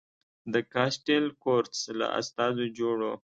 د کاسټیل کورتس له استازو جوړ و.